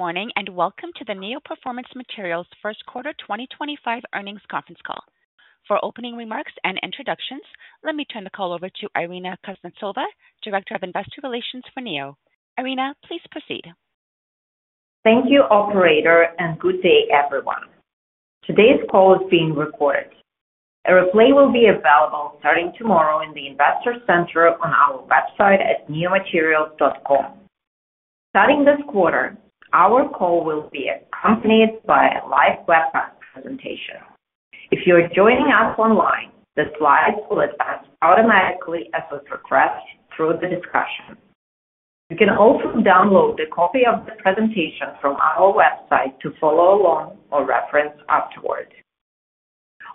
Good morning and welcome to the Neo Performance Materials first quarter 2025 earnings conference call. For opening remarks and introductions, let me turn the call over to Irina Kuznetsova, Director of Investor Relations for Neo. Irina, please proceed. Thank you, Operator, and good day, everyone. Today's call is being recorded. A replay will be available starting tomorrow in the Investor Center on our website at neomaterials.com. Starting this quarter, our call will be accompanied by a live web presentation. If you are joining us online, the slides will advance automatically at the request through the discussion. You can also download a copy of the presentation from our website to follow along or reference afterward.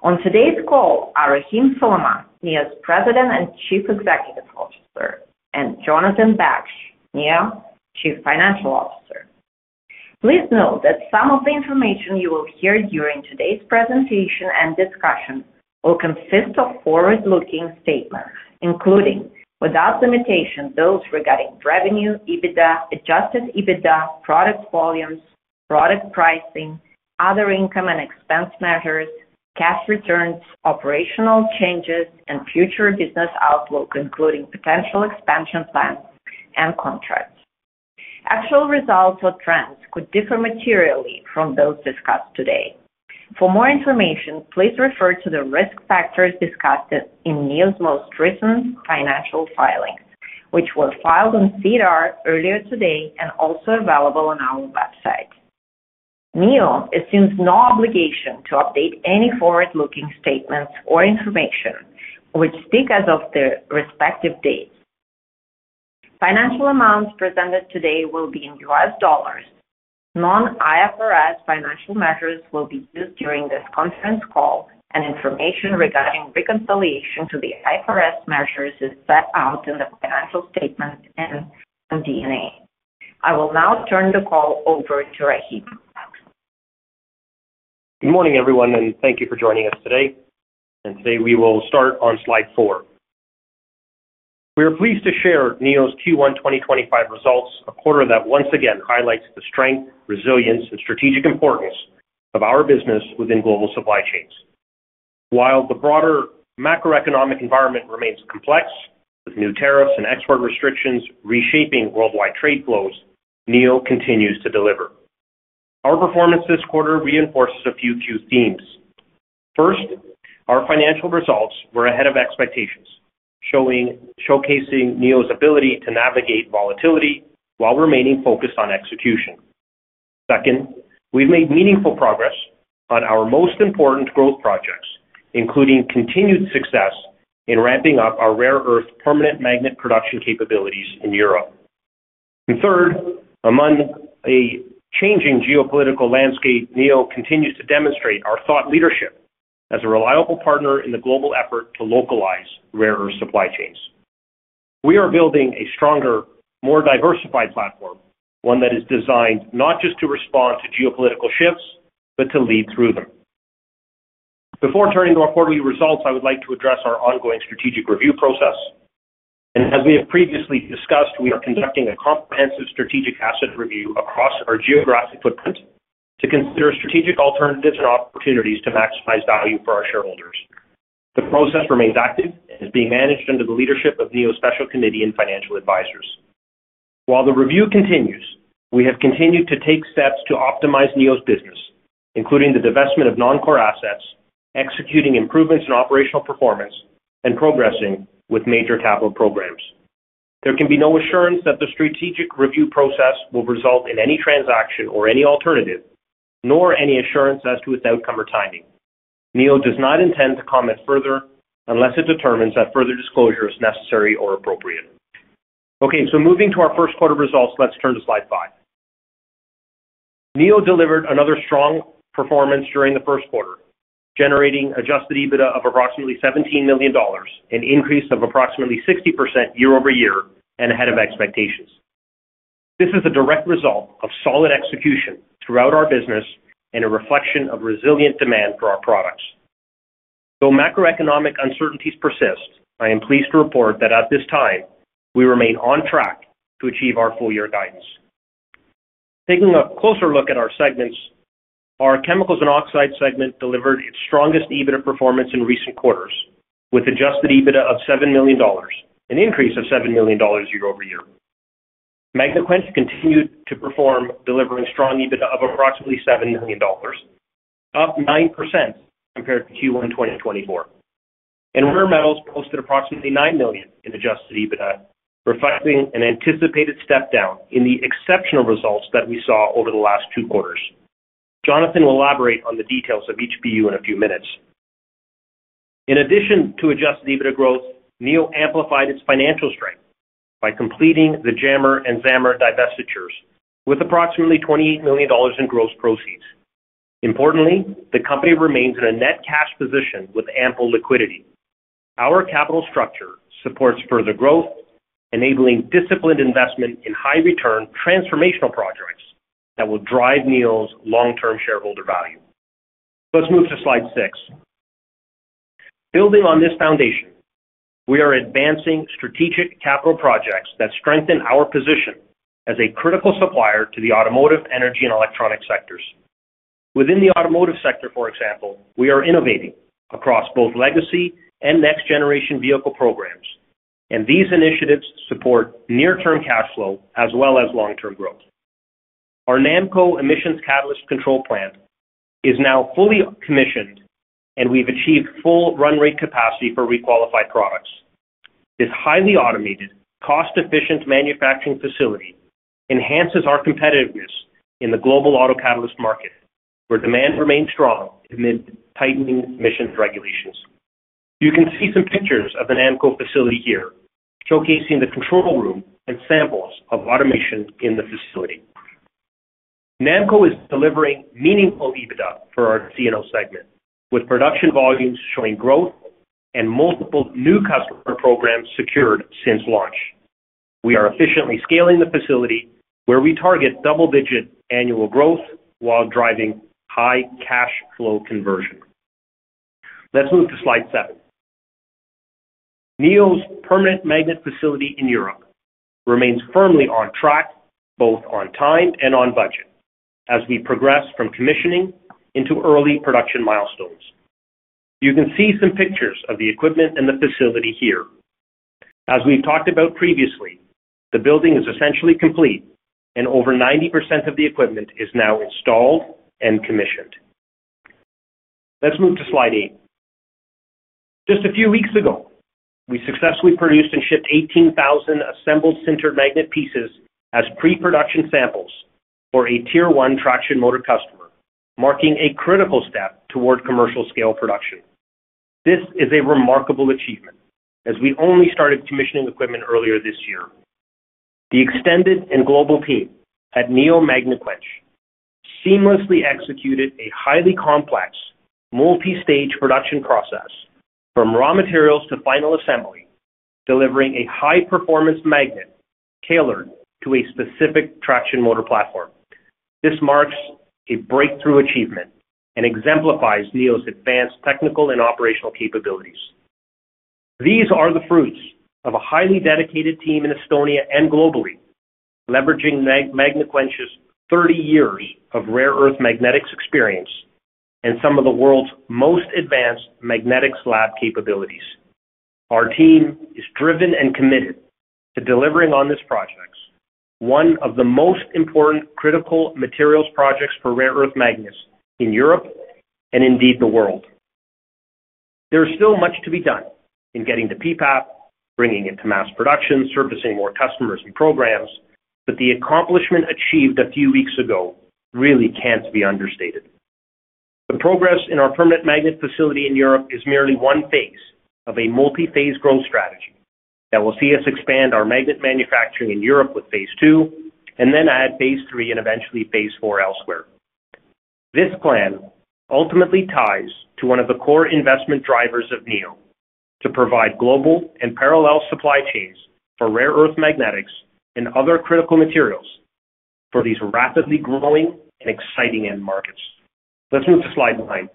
On today's call are Rahim Suleman, Neo's President and Chief Executive Officer, and Jonathan Baksh, Neo's Chief Financial Officer. Please note that some of the information you will hear during today's presentation and discussion will consist of forward-looking statements, including without limitation those regarding revenue, EBITDA, adjusted EBITDA, product volumes, product pricing, other income and expense measures, cash returns, operational changes, and future business outlook, including potential expansion plans and contracts. Actual results or trends could differ materially from those discussed today. For more information, please refer to the risk factors discussed in Neo's most recent financial filings, which were filed on CDR earlier today and also available on our website. Neo assumes no obligation to update any forward-looking statements or information which stick as of their respective dates. Financial amounts presented today will be in US dollars. Non-IFRS financial measures will be used during this conference call, and information regarding reconciliation to the IFRS measures is set out in the financial statement and DNA. I will now turn the call over to Rahim. Good morning, everyone, and thank you for joining us today. Today we will start on slide four. We are pleased to share Neo's Q1 2025 results, a quarter that once again highlights the strength, resilience, and strategic importance of our business within global supply chains. While the broader macroeconomic environment remains complex, with new tariffs and export restrictions reshaping worldwide trade flows, Neo continues to deliver. Our performance this quarter reinforces a few key themes. First, our financial results were ahead of expectations, showcasing Neo's ability to navigate volatility while remaining focused on execution. Second, we have made meaningful progress on our most important growth projects, including continued success in ramping up our rare earth permanent magnet production capabilities in Europe. Third, among a changing geopolitical landscape, Neo continues to demonstrate our thought leadership as a reliable partner in the global effort to localize rare earth supply chains. We are building a stronger, more diversified platform, one that is designed not just to respond to geopolitical shifts, but to lead through them. Before turning to our quarterly results, I would like to address our ongoing strategic review process. As we have previously discussed, we are conducting a comprehensive strategic asset review across our geographic footprint to consider strategic alternatives and opportunities to maximize value for our shareholders. The process remains active and is being managed under the leadership of Neo's special committee and financial advisors. While the review continues, we have continued to take steps to optimize Neo's business, including the divestment of non-core assets, executing improvements in operational performance, and progressing with major capital programs. There can be no assurance that the strategic review process will result in any transaction or any alternative, nor any assurance as to its outcome or timing. Neo does not intend to comment further unless it determines that further disclosure is necessary or appropriate. Okay, so moving to our first quarter results, let's turn to slide five. Neo delivered another strong performance during the first quarter, generating adjusted EBITDA of approximately $17 million, an increase of approximately 60% year over year, and ahead of expectations. This is a direct result of solid execution throughout our business and a reflection of resilient demand for our products. Though macroeconomic uncertainties persist, I am pleased to report that at this time, we remain on track to achieve our full-year guidance. Taking a closer look at our segments, our chemicals and oxide segment delivered its strongest EBITDA performance in recent quarters, with adjusted EBITDA of $7 million, an increase of $7 million year over year. Magnequench continued to perform, delivering strong EBITDA of approximately $7 million, up 9% compared to Q1 2024. Rare Metals posted approximately $9 million in adjusted EBITDA, reflecting an anticipated step down in the exceptional results that we saw over the last two quarters. Jonathan will elaborate on the details of each BU in a few minutes. In addition to adjusted EBITDA growth, Neo amplified its financial strength by completing the JMR and ZAMR divestitures, with approximately $28 million in gross proceeds. Importantly, the company remains in a net cash position with ample liquidity. Our capital structure supports further growth, enabling disciplined investment in high-return transformational projects that will drive Neo's long-term shareholder value. Let's move to slide six. Building on this foundation, we are advancing strategic capital projects that strengthen our position as a critical supplier to the automotive, energy, and electronic sectors. Within the automotive sector, for example, we are innovating across both legacy and next-generation vehicle programs, and these initiatives support near-term cash flow as well as long-term growth. Our NAMCO emissions catalyst control plant is now fully commissioned, and we've achieved full run rate capacity for requalified products. This highly automated, cost-efficient manufacturing facility enhances our competitiveness in the global auto catalyst market, where demand remains strong amid tightening emissions regulations. You can see some pictures of the NAMCO facility here, showcasing the control room and samples of automation in the facility. NAMCO is delivering meaningful EBITDA for our C&O segment, with production volumes showing growth and multiple new customer programs secured since launch. We are efficiently scaling the facility, where we target double-digit annual growth while driving high cash flow conversion. Let's move to slide seven. Neo's permanent magnet facility in Europe remains firmly on track, both on time and on budget, as we progress from commissioning into early production milestones. You can see some pictures of the equipment and the facility here. As we've talked about previously, the building is essentially complete, and over 90% of the equipment is now installed and commissioned. Let's move to slide eight. Just a few weeks ago, we successfully produced and shipped 18,000 assembled sintered magnet pieces as pre-production samples for a tier-one traction motor customer, marking a critical step toward commercial-scale production. This is a remarkable achievement, as we only started commissioning equipment earlier this year. The extended and global team at Neo Magnequench seamlessly executed a highly complex, multi-stage production process, from raw materials to final assembly, delivering a high-performance magnet tailored to a specific traction motor platform. This marks a breakthrough achievement and exemplifies Neo's advanced technical and operational capabilities. These are the fruits of a highly dedicated team in Estonia and globally, leveraging Magnequench's 30 years of rare earth magnetics experience and some of the world's most advanced magnetics lab capabilities. Our team is driven and committed to delivering on this project, one of the most important critical materials projects for rare earth magnets in Europe and indeed the world. There is still much to be done in getting the PPAP, bringing it to mass production, servicing more customers and programs, but the accomplishment achieved a few weeks ago really can't be understated. The progress in our permanent magnet facility in Europe is merely one phase of a multi-phase growth strategy that will see us expand our magnet manufacturing in Europe with phase two, and then add phase three and eventually phase four elsewhere. This plan ultimately ties to one of the core investment drivers of Neo to provide global and parallel supply chains for rare earth magnetics and other critical materials for these rapidly growing and exciting end markets. Let's move to slide nine.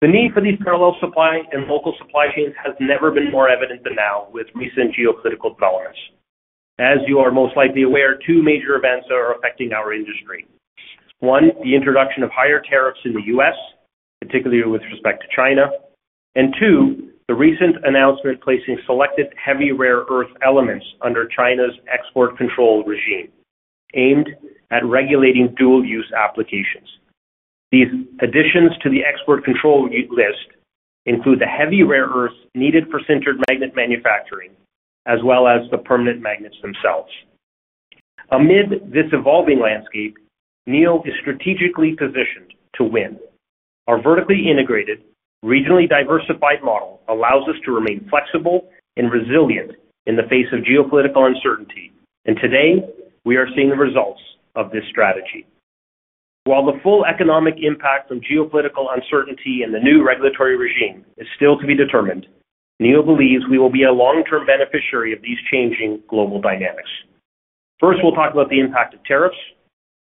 The need for these parallel supply and local supply chains has never been more evident than now with recent geopolitical developments. As you are most likely aware, two major events are affecting our industry. One, the introduction of higher tariffs in the U.S., particularly with respect to China. Two, the recent announcement placing selected heavy rare earth elements under China's export control regime, aimed at regulating dual-use applications. These additions to the export control list include the heavy rare earths needed for sintered magnet manufacturing, as well as the permanent magnets themselves. Amid this evolving landscape, Neo is strategically positioned to win. Our vertically integrated, regionally diversified model allows us to remain flexible and resilient in the face of geopolitical uncertainty. Today, we are seeing the results of this strategy. While the full economic impact from geopolitical uncertainty and the new regulatory regime is still to be determined, Neo believes we will be a long-term beneficiary of these changing global dynamics. First, we will talk about the impact of tariffs,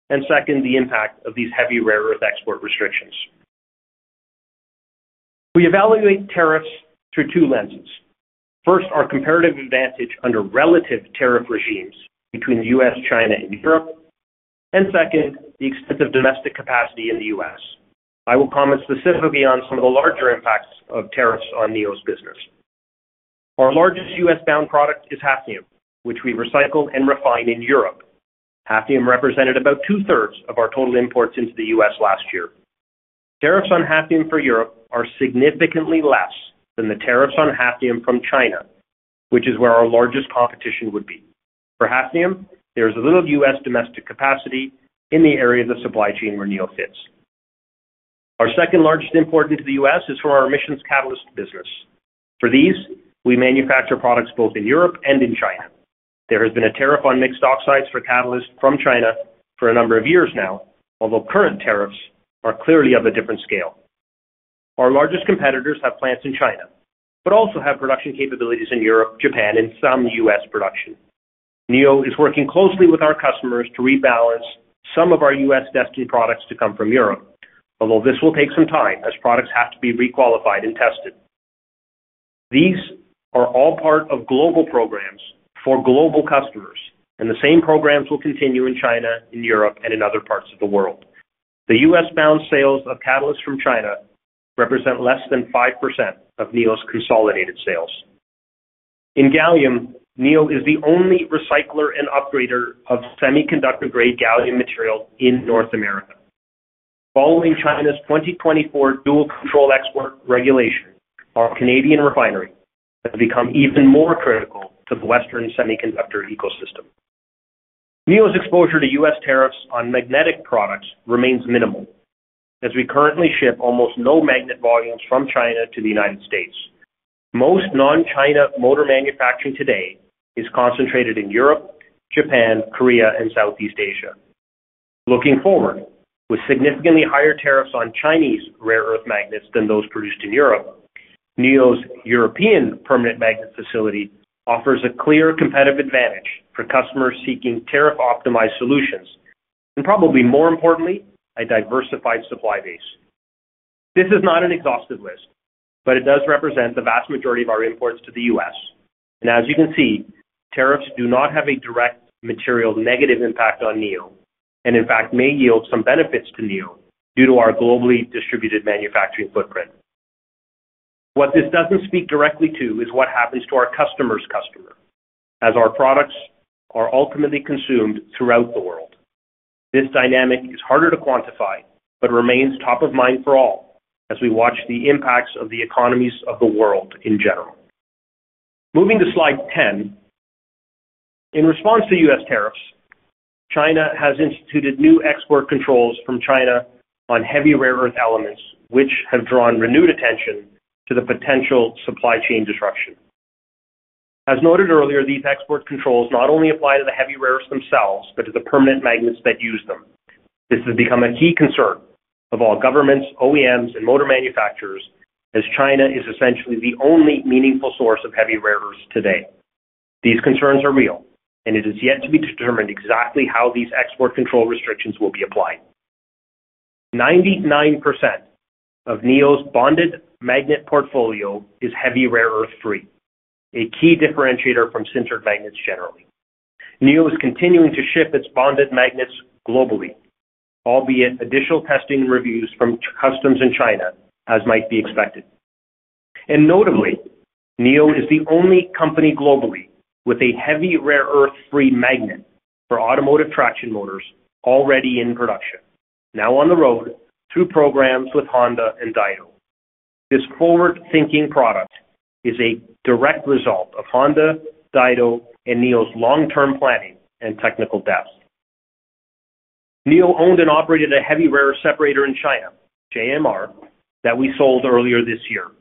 and second, the impact of these heavy rare earth export restrictions. We evaluate tariffs through two lenses. First, our comparative advantage under relative tariff regimes between the U.S., China, and Europe, and second, the extent of domestic capacity in the U.S. I will comment specifically on some of the larger impacts of tariffs on Neo's business. Our largest U.S.-bound product is hafnium, which we recycle and refine in Europe. Hafnium represented about two-thirds of our total imports into the U.S. last year. Tariffs on hafnium for Europe are significantly less than the tariffs on hafnium from China, which is where our largest competition would be. For hafnium, there is a little U.S. domestic capacity in the area of the supply chain where Neo sits. Our second-largest import into the U.S. is for our emissions catalyst business. For these, we manufacture products both in Europe and in China. There has been a tariff on mixed oxides for catalysts from China for a number of years now, although current tariffs are clearly of a different scale. Our largest competitors have plants in China, but also have production capabilities in Europe, Japan, and some U.S. production. Neo is working closely with our customers to rebalance some of our U.S. destined products to come from Europe, although this will take some time as products have to be requalified and tested. These are all part of global programs for global customers, and the same programs will continue in China, in Europe, and in other parts of the world. The U.S.-bound sales of catalysts from China represent less than 5% of Neo's consolidated sales. In gallium, Neo is the only recycler and upgrader of semiconductor-grade gallium material in North America. Following China's 2024 dual-control export regulation, our Canadian refinery has become even more critical to the Western semiconductor ecosystem. Neo's exposure to U.S. tariffs on magnetic products remains minimal, as we currently ship almost no magnet volumes from China to the United States. Most non-China motor manufacturing today is concentrated in Europe, Japan, Korea, and Southeast Asia. Looking forward, with significantly higher tariffs on Chinese rare earth magnets than those produced in Europe, Neo's European permanent magnet facility offers a clear competitive advantage for customers seeking tariff-optimized solutions and, probably more importantly, a diversified supply base. This is not an exhaustive list, but it does represent the vast majority of our imports to the U.S. As you can see, tariffs do not have a direct material negative impact on Neo, and in fact, may yield some benefits to Neo due to our globally distributed manufacturing footprint. What this does not speak directly to is what happens to our customer's customer, as our products are ultimately consumed throughout the world. This dynamic is harder to quantify, but remains top of mind for all as we watch the impacts of the economies of the world in general. Moving to slide ten. In response to US tariffs, China has instituted new export controls from China on heavy rare earth elements, which have drawn renewed attention to the potential supply chain disruption. As noted earlier, these export controls not only apply to the heavy rare earths themselves, but to the permanent magnets that use them. This has become a key concern of all governments, OEMs, and motor manufacturers, as China is essentially the only meaningful source of heavy rare earths today. These concerns are real, and it is yet to be determined exactly how these export control restrictions will be applied. 99% of Neo's bonded magnet portfolio is heavy rare earth-free, a key differentiator from sintered magnets generally. Neo is continuing to ship its bonded magnets globally, albeit additional testing and reviews from customs in China, as might be expected. Notably, Neo is the only company globally with a heavy rare earth-free magnet for automotive traction motors already in production, now on the road through programs with Honda and Daito. This forward-thinking product is a direct result of Honda, Daito, and Neo's long-term planning and technical depth. Neo owned and operated a heavy rare earth separator in China, JMR, that we sold earlier this year.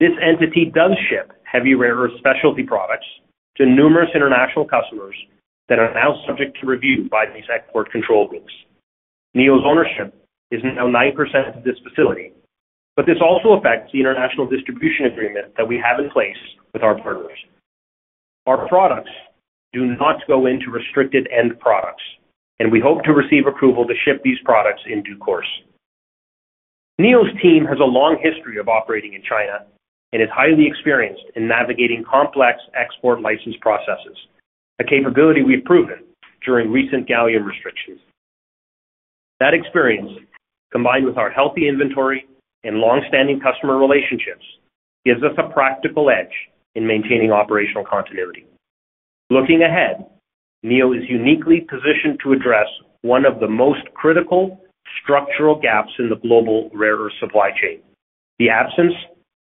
This entity does ship heavy rare earth specialty products to numerous international customers that are now subject to review by these export control groups. Neo's ownership is now 9% of this facility, but this also affects the international distribution agreement that we have in place with our partners. Our products do not go into restricted end products, and we hope to receive approval to ship these products in due course. Neo's team has a long history of operating in China and is highly experienced in navigating complex export license processes, a capability we've proven during recent gallium restrictions. That experience, combined with our healthy inventory and long-standing customer relationships, gives us a practical edge in maintaining operational continuity. Looking ahead, Neo is uniquely positioned to address one of the most critical structural gaps in the global rare earth supply chain: the absence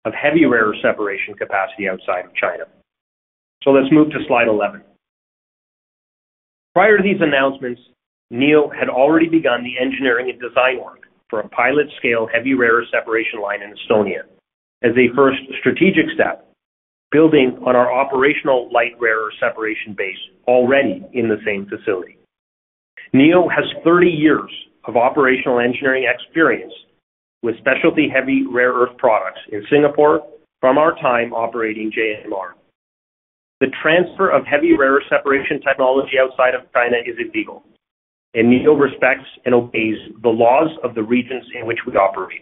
of heavy rare earth separation capacity outside of China. Let's move to slide 11. Prior to these announcements, Neo had already begun the engineering and design work for a pilot-scale heavy rare earth separation line in Estonia as a first strategic step, building on our operational light rare earth separation base already in the same facility. Neo has 30 years of operational engineering experience with specialty heavy rare earth products in Singapore from our time operating JMR. The transfer of heavy rare earth separation technology outside of China is illegal, and Neo respects and obeys the laws of the regions in which we operate.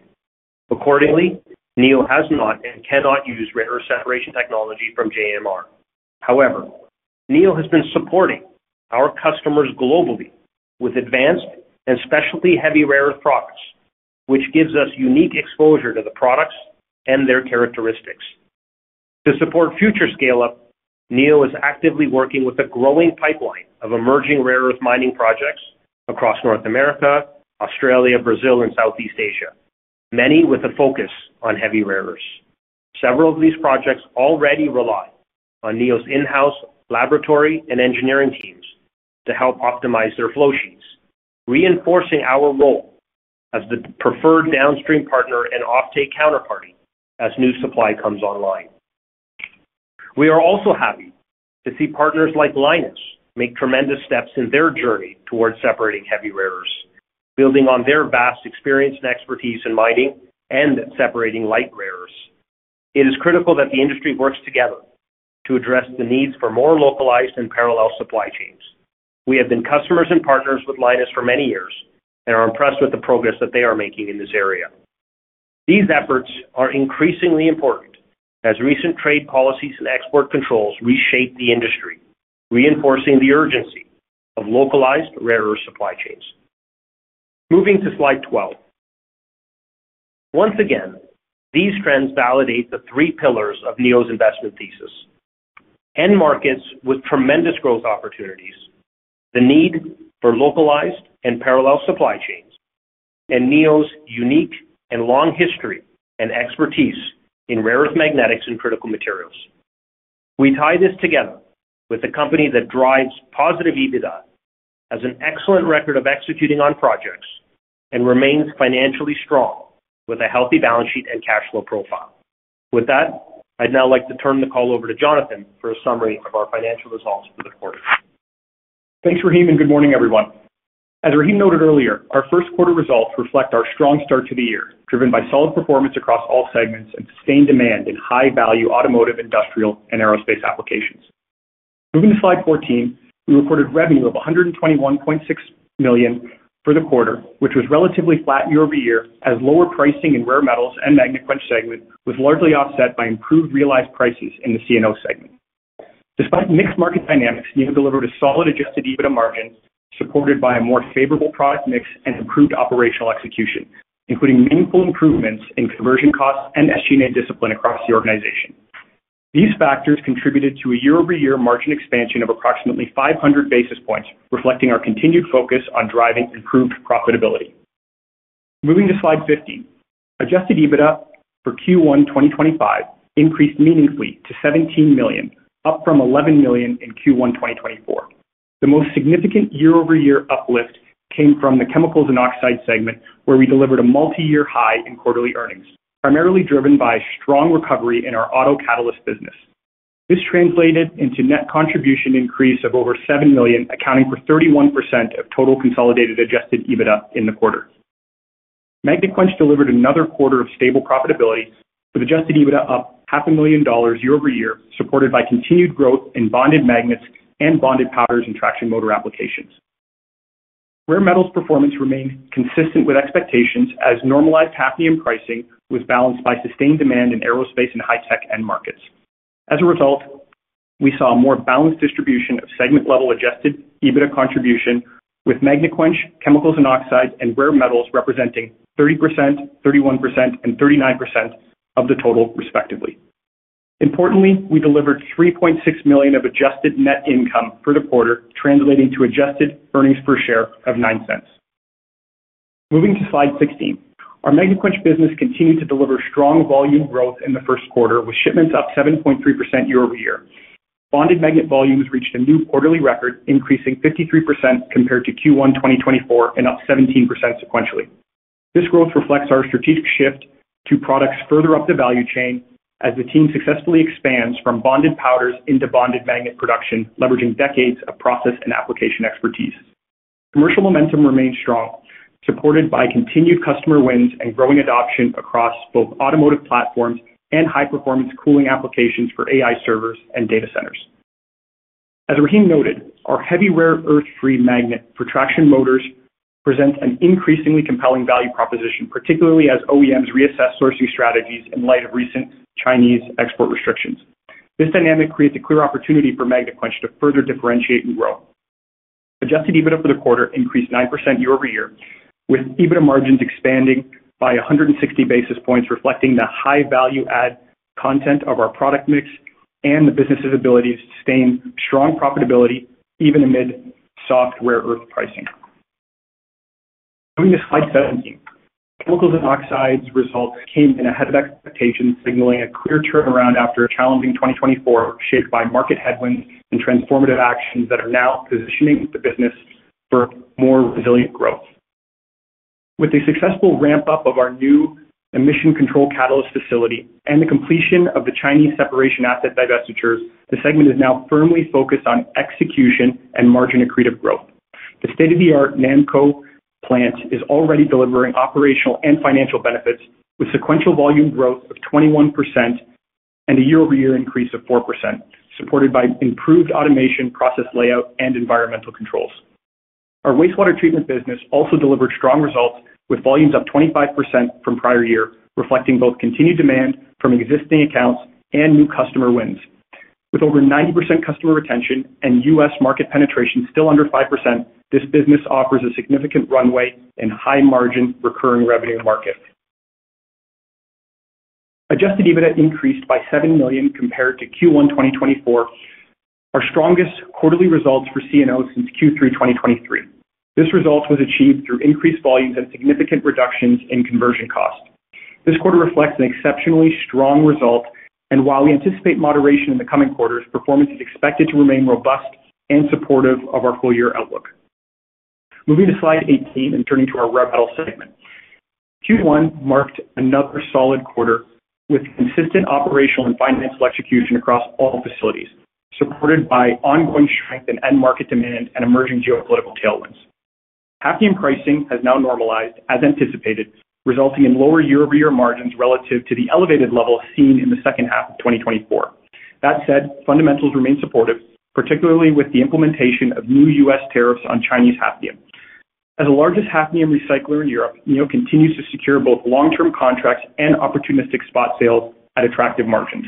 Accordingly, Neo has not and cannot use rare earth separation technology from JMR. However, Neo has been supporting our customers globally with advanced and specialty heavy rare earth products, which gives us unique exposure to the products and their characteristics. To support future scale-up, Neo is actively working with a growing pipeline of emerging rare earth mining projects across North America, Australia, Brazil, and Southeast Asia, many with a focus on heavy rare earths. Several of these projects already rely on Neo's in-house laboratory and engineering teams to help optimize their flow sheets, reinforcing our role as the preferred downstream partner and offtake counterparty as new supply comes online. We are also happy to see partners like Lynas make tremendous steps in their journey towards separating heavy rare earths, building on their vast experience and expertise in mining and separating light rare earths. It is critical that the industry works together to address the needs for more localized and parallel supply chains. We have been customers and partners with Lynas for many years and are impressed with the progress that they are making in this area. These efforts are increasingly important as recent trade policies and export controls reshape the industry, reinforcing the urgency of localized rare earth supply chains. Moving to slide 12. Once again, these trends validate the three pillars of Neo's investment thesis: end markets with tremendous growth opportunities, the need for localized and parallel supply chains, and Neo's unique and long history and expertise in rare earth magnetics and critical materials. We tie this together with a company that drives positive EBITDA, has an excellent record of executing on projects, and remains financially strong with a healthy balance sheet and cash flow profile. With that, I'd now like to turn the call over to Jonathan for a summary of our financial results for the quarter. Thanks, Rahim, and good morning, everyone. As Rahim noted earlier, our first quarter results reflect our strong start to the year, driven by solid performance across all segments and sustained demand in high-value automotive, industrial, and aerospace applications. Moving to slide 14, we recorded revenue of $121.6 million for the quarter, which was relatively flat year over year as lower pricing in rare metals and Magnequench segment was largely offset by improved realized prices in the C&O segment. Despite mixed market dynamics, Neo delivered a solid adjusted EBITDA margin supported by a more favorable product mix and improved operational execution, including meaningful improvements in conversion costs and SGNA discipline across the organization. These factors contributed to a year-over-year margin expansion of approximately 500 basis points, reflecting our continued focus on driving improved profitability. Moving to slide 15, adjusted EBITDA for Q1 2025 increased meaningfully to $17 million, up from $11 million in Q1 2024. The most significant year-over-year uplift came from the chemicals and oxide segment, where we delivered a multi-year high in quarterly earnings, primarily driven by strong recovery in our auto catalyst business. This translated into net contribution increase of over $7 million, accounting for 31% of total consolidated adjusted EBITDA in the quarter. Magnequench delivered another quarter of stable profitability with adjusted EBITDA up $500,000 year over year, supported by continued growth in bonded magnets and bonded powders in traction motor applications. Rare metals performance remained consistent with expectations as normalized hafnium pricing was balanced by sustained demand in aerospace and high-tech end markets. As a result, we saw a more balanced distribution of segment-level adjusted EBITDA contribution, with Magnequench, chemicals and oxides, and rare metals representing 30%, 31%, and 39% of the total, respectively. Importantly, we delivered $3.6 million of adjusted net income for the quarter, translating to adjusted earnings per share of $0.09. Moving to slide 16, our Magnequench business continued to deliver strong volume growth in the first quarter, with shipments up 7.3% year over year. Bonded magnet volumes reached a new quarterly record, increasing 53% compared to Q1 2024 and up 17% sequentially. This growth reflects our strategic shift to products further up the value chain as the team successfully expands from bonded powders into bonded magnet production, leveraging decades of process and application expertise. Commercial momentum remains strong, supported by continued customer wins and growing adoption across both automotive platforms and high-performance cooling applications for AI servers and data centers. As Rahim noted, our heavy rare earth-free magnet for traction motors presents an increasingly compelling value proposition, particularly as OEMs reassess sourcing strategies in light of recent Chinese export restrictions. This dynamic creates a clear opportunity for Magnequench to further differentiate and grow. Adjusted EBITDA for the quarter increased 9% year over year, with EBITDA margins expanding by 160 basis points, reflecting the high-value-add content of our product mix and the business's ability to sustain strong profitability even amid soft rare earth pricing. Moving to slide 17, chemicals and oxides results came in ahead of expectations, signaling a clear turnaround after a challenging 2024 shaped by market headwinds and transformative actions that are now positioning the business for more resilient growth. With the successful ramp-up of our new emissions catalyst control plant and the completion of the Chinese separation asset divestitures, the segment is now firmly focused on execution and margin accretive growth. The state-of-the-art NAMCO plant is already delivering operational and financial benefits, with sequential volume growth of 21% and a year-over-year increase of 4%, supported by improved automation, process layout, and environmental controls. Our wastewater treatment business also delivered strong results with volumes up 25% from prior year, reflecting both continued demand from existing accounts and new customer wins. With over 90% customer retention and U.S. market penetration still under 5%, this business offers a significant runway and high-margin recurring revenue market. Adjusted EBITDA increased by $7 million compared to Q1 2024, our strongest quarterly results for C&O since Q3 2023. This result was achieved through increased volumes and significant reductions in conversion costs. This quarter reflects an exceptionally strong result, and while we anticipate moderation in the coming quarters, performance is expected to remain robust and supportive of our full-year outlook. Moving to slide 18 and turning to our rare metal segment. Q1 marked another solid quarter with consistent operational and financial execution across all facilities, supported by ongoing strength in end market demand and emerging geopolitical tailwinds. Hafnium pricing has now normalized, as anticipated, resulting in lower year-over-year margins relative to the elevated level seen in the second half of 2024. That said, fundamentals remain supportive, particularly with the implementation of new US tariffs on Chinese hafnium. As the largest hafnium recycler in Europe, Neo continues to secure both long-term contracts and opportunistic spot sales at attractive margins.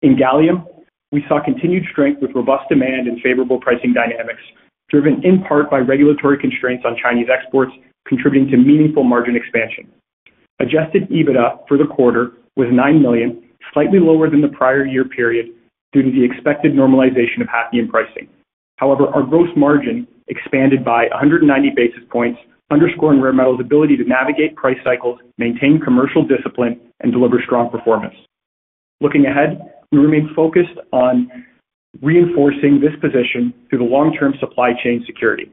In gallium, we saw continued strength with robust demand and favorable pricing dynamics, driven in part by regulatory constraints on Chinese exports contributing to meaningful margin expansion. Adjusted EBITDA for the quarter was $9 million, slightly lower than the prior year period due to the expected normalization of hafnium pricing. However, our gross margin expanded by 190 basis points, underscoring rare metals' ability to navigate price cycles, maintain commercial discipline, and deliver strong performance. Looking ahead, we remain focused on reinforcing this position through the long-term supply chain security.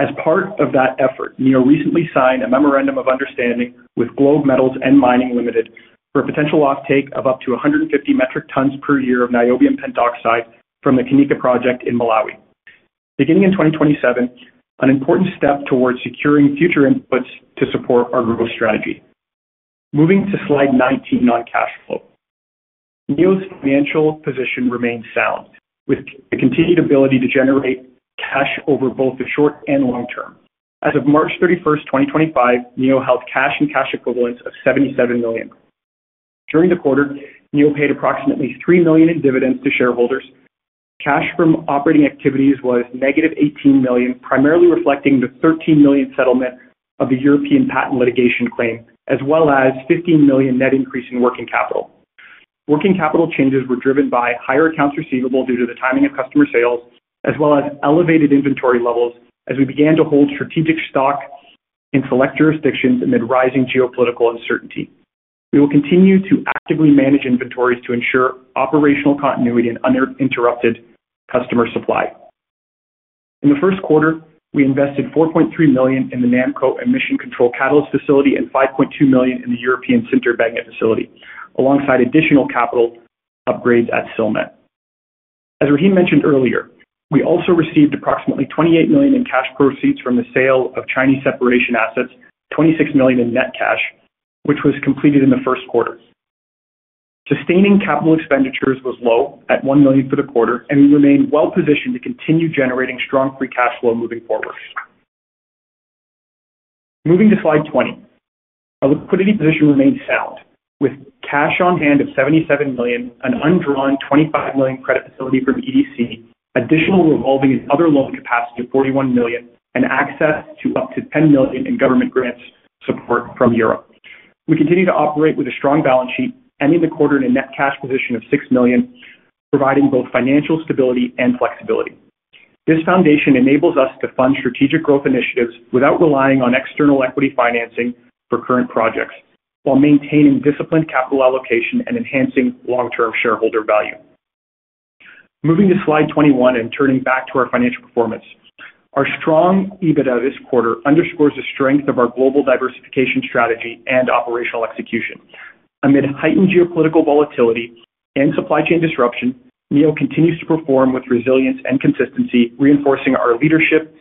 As part of that effort, Neo recently signed a memorandum of understanding with Globe Metals & Mining Limited for a potential offtake of up to 150 metric tons per year of niobium pentoxide from the Kanika project in Malawi. Beginning in 2027, an important step towards securing future inputs to support our growth strategy. Moving to slide 19 on cash flow. Neo's financial position remains sound, with a continued ability to generate cash over both the short and long term. As of March 31, 2025, Neo held cash and cash equivalents of $77 million. During the quarter, Neo paid approximately $3 million in dividends to shareholders. Cash from operating activities was negative $18 million, primarily reflecting the $13 million settlement of the European patent litigation claim, as well as $15 million net increase in working capital. Working capital changes were driven by higher accounts receivable due to the timing of customer sales, as well as elevated inventory levels as we began to hold strategic stock in select jurisdictions amid rising geopolitical uncertainty. We will continue to actively manage inventories to ensure operational continuity and uninterrupted customer supply. In the first quarter, we invested $4.3 million in the NAMCO emissions catalyst control plant and $5.2 million in the European permanent magnet facility, alongside additional capital upgrades at Silmet. As Rahim mentioned earlier, we also received approximately $28 million in cash proceeds from the sale of Chinese separation assets, $26 million in net cash, which was completed in the first quarter. Sustaining capital expenditures was low at $1 million for the quarter, and we remain well-positioned to continue generating strong free cash flow moving forward. Moving to slide 20, our liquidity position remains sound, with cash on hand of $77 million, an undrawn $25 million credit facility from EDC, additional revolving and other loan capacity of $41 million, and access to up to $10 million in government grants support from Europe. We continue to operate with a strong balance sheet, ending the quarter in a net cash position of $6 million, providing both financial stability and flexibility. This foundation enables us to fund strategic growth initiatives without relying on external equity financing for current projects, while maintaining disciplined capital allocation and enhancing long-term shareholder value. Moving to slide 21 and turning back to our financial performance. Our strong EBITDA this quarter underscores the strength of our global diversification strategy and operational execution. Amid heightened geopolitical volatility and supply chain disruption, Neo continues to perform with resilience and consistency, reinforcing our leadership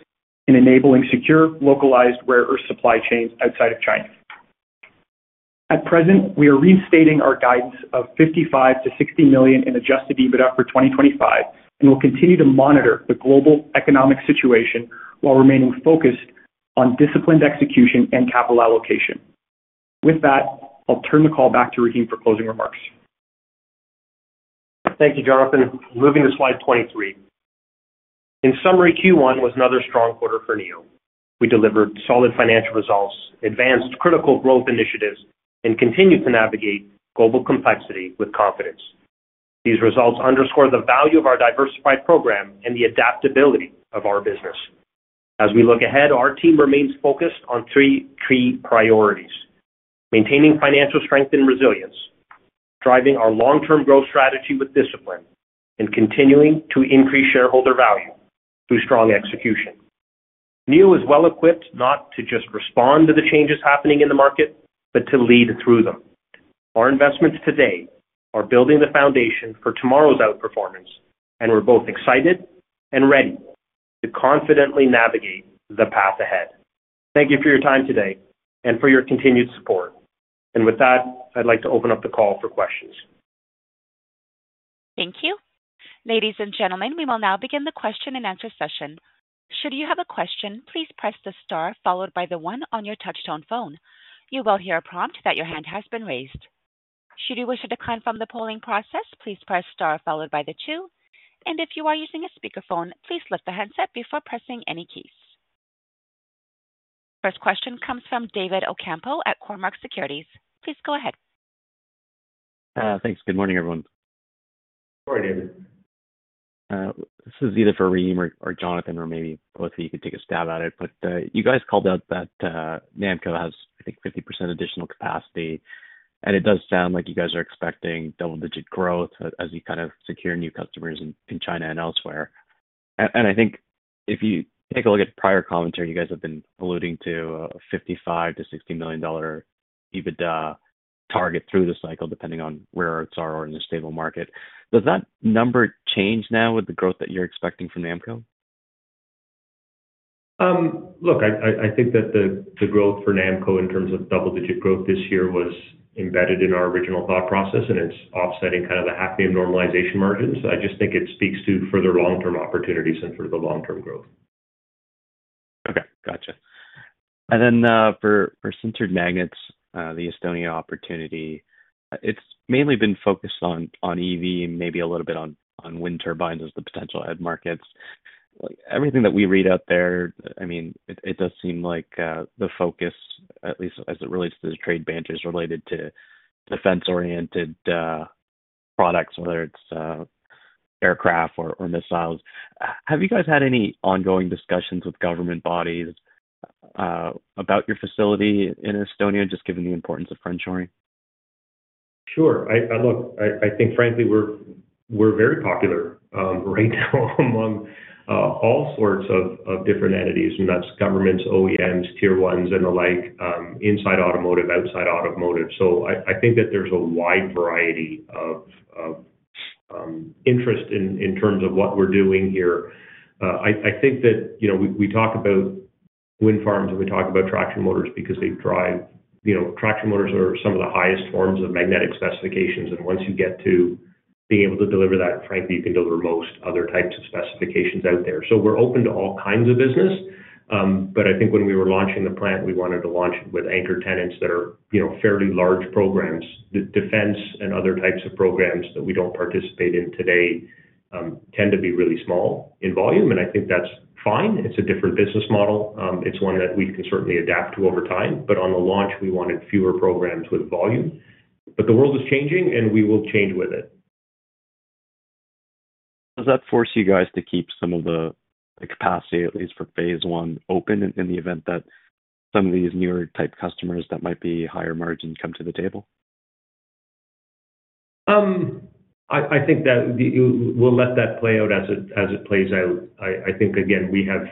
in enabling secure, localized rare earth supply chains outside of China. At present, we are reinstating our guidance of $55 million-$60 million in adjusted EBITDA for 2025, and we'll continue to monitor the global economic situation while remaining focused on disciplined execution and capital allocation. With that, I'll turn the call back to Rahim for closing remarks. Thank you, Jonathan. Moving to slide 23. In summary, Q1 was another strong quarter for Neo. We delivered solid financial results, advanced critical growth initiatives, and continued to navigate global complexity with confidence. These results underscore the value of our diversified program and the adaptability of our business. As we look ahead, our team remains focused on three key priorities: maintaining financial strength and resilience, driving our long-term growth strategy with discipline, and continuing to increase shareholder value through strong execution. Neo is well-equipped not to just respond to the changes happening in the market, but to lead through them. Our investments today are building the foundation for tomorrow's outperformance, and we're both excited and ready to confidently navigate the path ahead. Thank you for your time today and for your continued support. With that, I'd like to open up the call for questions. Thank you. Ladies and gentlemen, we will now begin the question and answer session. Should you have a question, please press the star followed by the one on your touch-tone phone. You will hear a prompt that your hand has been raised. Should you wish to decline from the polling process, please press star followed by the two. If you are using a speakerphone, please lift the handset before pressing any keys. First question comes from David Ocampo at Cormark Securities. Please go ahead. Thanks. Good morning, everyone. Good morning, David. This is either for Rahim or Jonathan or maybe both of you could take a stab at it. You guys called out that NAMCO has, I think, 50% additional capacity. It does sound like you guys are expecting double-digit growth as you kind of secure new customers in China and elsewhere. I think if you take a look at prior commentary, you guys have been alluding to a $55 million-$60 million EBITDA target through the cycle, depending on where our hopes are or in a stable market. Does that number change now with the growth that you're expecting from NAMCO? Look, I think that the growth for NAMCO in terms of double-digit growth this year was embedded in our original thought process, and it's offsetting kind of the hafnium normalization margins. I just think it speaks to further long-term opportunities and further long-term growth. Okay. Gotcha. And then for sintered magnets, the Estonia opportunity, it's mainly been focused on EV, maybe a little bit on wind turbines as the potential head markets. Everything that we read out there, I mean, it does seem like the focus, at least as it relates to the trade banters, related to defense-oriented products, whether it's aircraft or missiles. Have you guys had any ongoing discussions with government bodies about your facility in Estonia, just given the importance of Frenchoring? Sure. Look, I think, frankly, we're very popular right now among all sorts of different entities, and that's governments, OEMs, tier ones, and the like, inside automotive, outside automotive. I think that there's a wide variety of interest in terms of what we're doing here. I think that we talk about wind farms and we talk about traction motors because they drive traction motors are some of the highest forms of magnetic specifications. Once you get to being able to deliver that, frankly, you can deliver most other types of specifications out there. We're open to all kinds of business. I think when we were launching the plant, we wanted to launch it with anchor tenants that are fairly large programs. Defense and other types of programs that we don't participate in today tend to be really small in volume, and I think that's fine. It's a different business model. It's one that we can certainly adapt to over time. On the launch, we wanted fewer programs with volume. The world is changing, and we will change with it. Does that force you guys to keep some of the capacity, at least for phase one, open in the event that some of these newer type customers that might be higher margin come to the table? I think that we'll let that play out as it plays out. I think, again, we have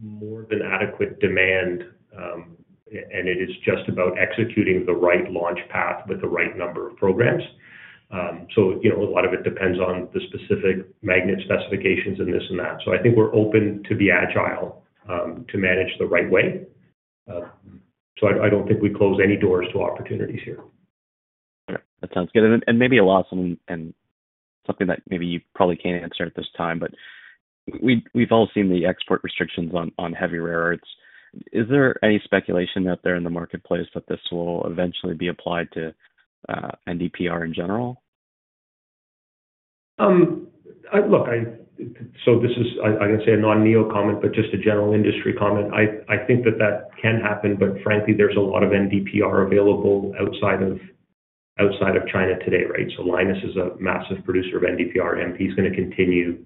more than adequate demand, and it is just about executing the right launch path with the right number of programs. A lot of it depends on the specific magnet specifications and this and that. I think we're open to be agile to manage the right way. I don't think we close any doors to opportunities here. Okay. That sounds good. Maybe a last one and something that maybe you probably can't answer at this time, but we've all seen the export restrictions on heavy rare earths. Is there any speculation out there in the marketplace that this will eventually be applied to NdPr in general? Look, this is, I'm going to say, a non-Neo comment, but just a general industry comment. I think that that can happen, but frankly, there's a lot of NdPr available outside of China today, right? Lynas is a massive producer of NdPr, and they are going to continue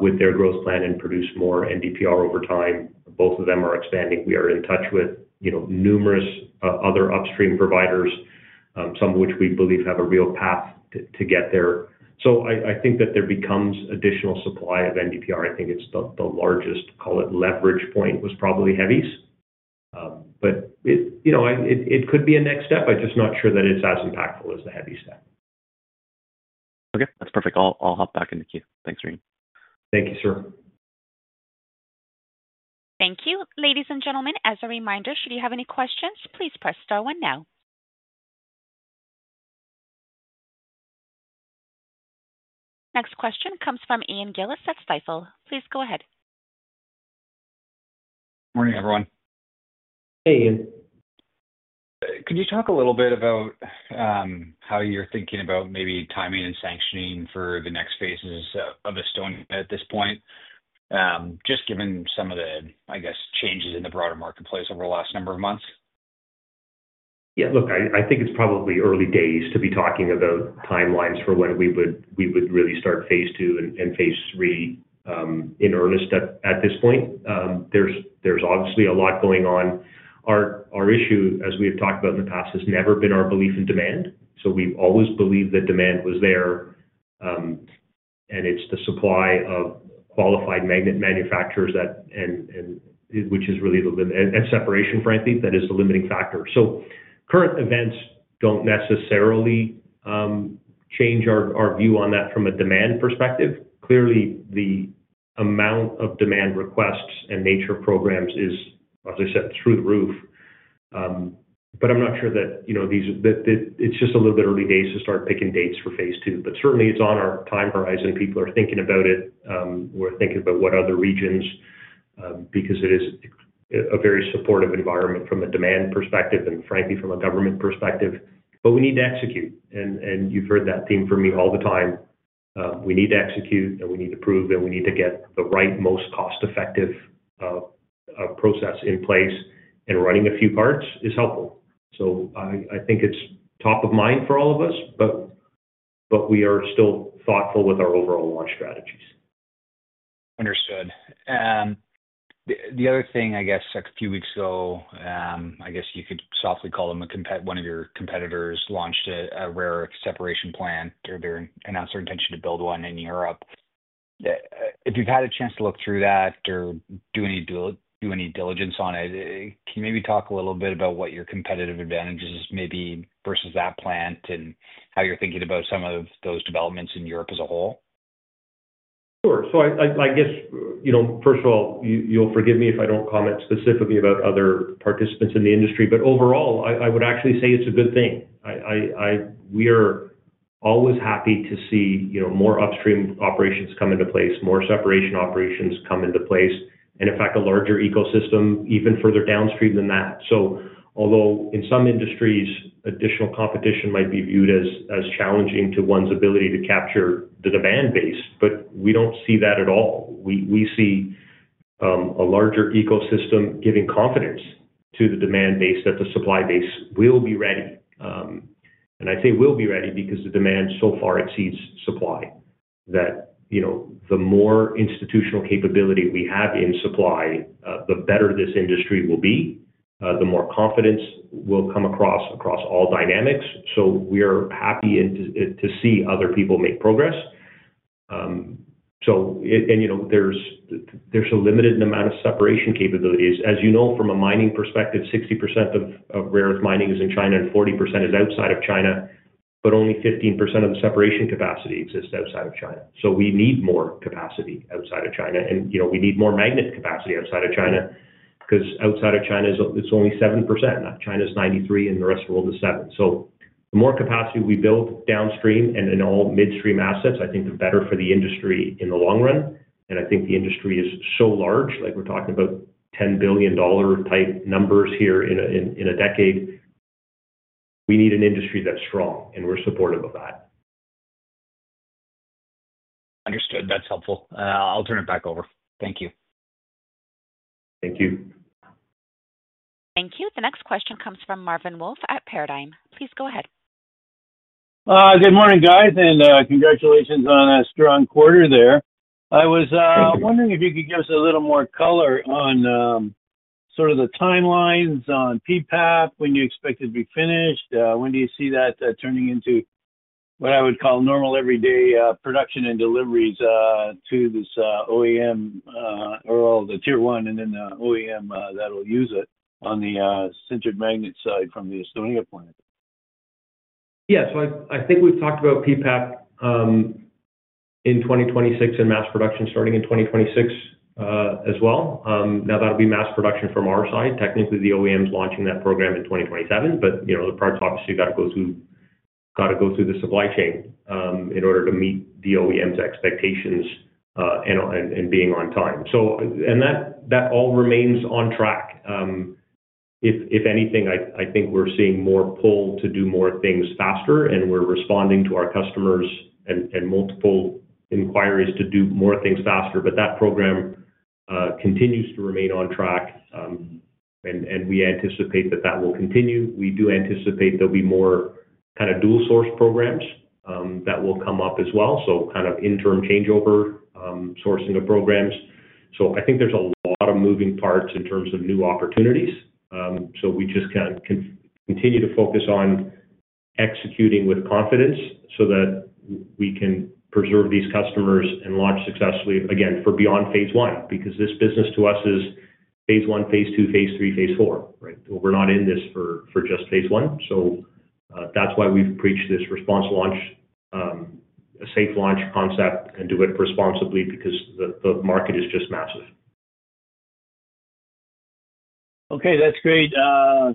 with their growth plan and produce more NdPr over time. Both of them are expanding. We are in touch with numerous other upstream providers, some of which we believe have a real path to get there. I think that there becomes additional supply of NdPr. I think it's the largest, call it leverage point, was probably heavies, but it could be a next step. I'm just not sure that it's as impactful as the heavy step. Okay. That's perfect. I'll hop back in the queue. Thanks, Rahim. Thank you, sir. Thank you. Ladies and gentlemen, as a reminder, should you have any questions, please press star one now. Next question comes from Ian Gillies at Stifel. Please go ahead. Morning, everyone. Hey, Ian. Could you talk a little bit about how you're thinking about maybe timing and sanctioning for the next phases of Estonia at this point, just given some of the, I guess, changes in the broader marketplace over the last number of months? Yeah. Look, I think it's probably early days to be talking about timelines for when we would really start phase two and phase three in earnest at this point. There's obviously a lot going on. Our issue, as we have talked about in the past, has never been our belief in demand. We have always believed that demand was there, and it's the supply of qualified magnet manufacturers that, and which is really the separation, frankly, that is the limiting factor. Current events do not necessarily change our view on that from a demand perspective. Clearly, the amount of demand requests and nature of programs is, as I said, through the roof. I'm not sure that it's just a little bit early days to start picking dates for phase two. Certainly, it's on our time horizon. People are thinking about it. We're thinking about what other regions because it is a very supportive environment from a demand perspective and, frankly, from a government perspective. We need to execute. You have heard that theme from me all the time. We need to execute, and we need to prove, and we need to get the right most cost-effective process in place. Running a few parts is helpful. I think it is top of mind for all of us, but we are still thoughtful with our overall launch strategies. Understood. The other thing, I guess, a few weeks ago, I guess you could softly call them one of your competitors launched a rare separation plan or they announced their intention to build one in Europe. If you have had a chance to look through that or do any diligence on it, can you maybe talk a little bit about what your competitive advantages may be versus that plant and how you are thinking about some of those developments in Europe as a whole? Sure. I guess, first of all, you'll forgive me if I don't comment specifically about other participants in the industry, but overall, I would actually say it's a good thing. We are always happy to see more upstream operations come into place, more separation operations come into place, and, in fact, a larger ecosystem even further downstream than that. Although in some industries, additional competition might be viewed as challenging to one's ability to capture the demand base, we don't see that at all. We see a larger ecosystem giving confidence to the demand base that the supply base will be ready. I say will be ready because the demand so far exceeds supply that the more institutional capability we have in supply, the better this industry will be, the more confidence will come across all dynamics. We are happy to see other people make progress. There is a limited amount of separation capabilities. As you know, from a mining perspective, 60% of rare earth mining is in China and 40% is outside of China, but only 15% of the separation capacity exists outside of China. We need more capacity outside of China, and we need more magnet capacity outside of China because outside of China, it is only 7%. China's 93%, and the rest of the world is 7%. The more capacity we build downstream and in all midstream assets, I think the better for the industry in the long run. I think the industry is so large, like we are talking about $10 billion type numbers here in a decade. We need an industry that is strong, and we are supportive of that. Understood. That is helpful. I will turn it back over. Thank you. Thank you. Thank you. The next question comes from Marvin Wolf at Paradigm. Please go ahead. Good morning, guys, and congratulations on a strong quarter there. I was wondering if you could give us a little more color on sort of the timelines on PPAP, when you expect it to be finished. When do you see that turning into what I would call normal everyday production and deliveries to this OEM or all the tier one and then the OEM that will use it on the Sintered Magnet side from the Estonia plant? Yeah. I think we've talked about PPAP in 2026 and mass production starting in 2026 as well. Now, that'll be mass production from our side. Technically, the OEM's launching that program in 2027, but the parts obviously got to go through the supply chain in order to meet the OEM's expectations and being on time. That all remains on track. If anything, I think we're seeing more pull to do more things faster, and we're responding to our customers and multiple inquiries to do more things faster. That program continues to remain on track, and we anticipate that will continue. We do anticipate there will be more kind of dual-source programs that will come up as well, kind of interim changeover sourcing of programs. I think there's a lot of moving parts in terms of new opportunities. We just continue to focus on executing with confidence so that we can preserve these customers and launch successfully, again, for beyond phase one because this business to us is phase one, phase two, phase three, phase four, right? We're not in this for just phase one. That's why we've preached this response launch, a safe launch concept, and do it responsibly because the market is just massive. Okay. That's great.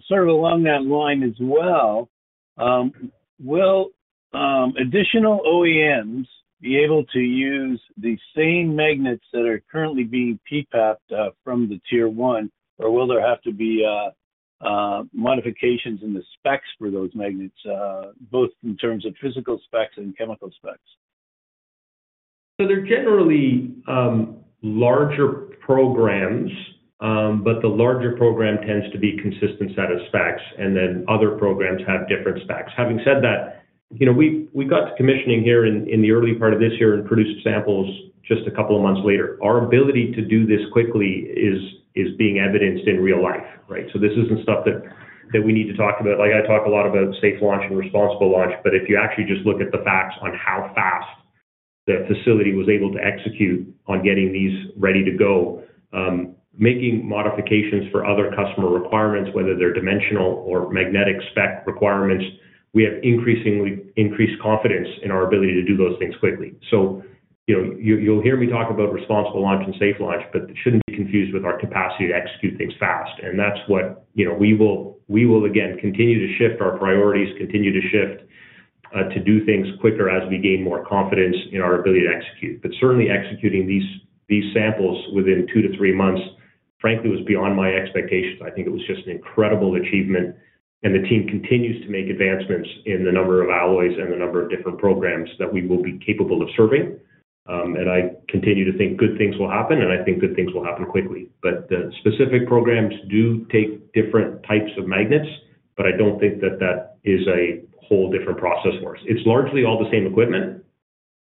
Sort of along that line as well, will additional OEMs be able to use the same magnets that are currently being PPAP'd from the tier one, or will there have to be modifications in the specs for those magnets, both in terms of physical specs and chemical specs? They're generally larger programs, but the larger program tends to be a consistent set of specs, and then other programs have different specs. Having said that, we got to commissioning here in the early part of this year and produced samples just a couple of months later. Our ability to do this quickly is being evidenced in real life, right? This isn't stuff that we need to talk about. I talk a lot about safe launch and responsible launch, but if you actually just look at the facts on how fast the facility was able to execute on getting these ready to go, making modifications for other customer requirements, whether they're dimensional or magnetic spec requirements, we have increasingly increased confidence in our ability to do those things quickly. You'll hear me talk about responsible launch and safe launch, but it shouldn't be confused with our capacity to execute things fast. That's what we will, again, continue to shift our priorities, continue to shift to do things quicker as we gain more confidence in our ability to execute. Certainly, executing these samples within two to three months, frankly, was beyond my expectations. I think it was just an incredible achievement, and the team continues to make advancements in the number of alloys and the number of different programs that we will be capable of serving. I continue to think good things will happen, and I think good things will happen quickly. The specific programs do take different types of magnets, but I do not think that that is a whole different process for us. It is largely all the same equipment,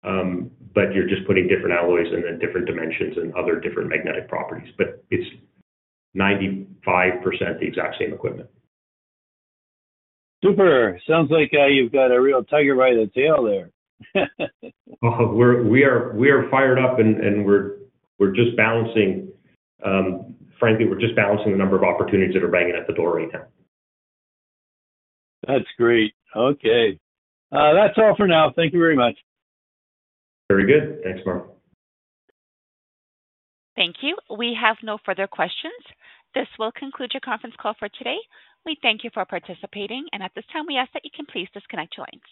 but you are just putting different alloys and then different dimensions and other different magnetic properties. It is 95% the exact same equipment. Super. Sounds like you have got a real tiger by the tail there. We are fired up, and we are just balancing. Frankly, we are just balancing the number of opportunities that are banging at the door right now. That is great. Okay. That is all for now. Thank you very much. Very good. Thanks, Marvin. Thank you. We have no further questions. This will conclude your conference call for today. We thank you for participating, and at this time, we ask that you can please disconnect your lines.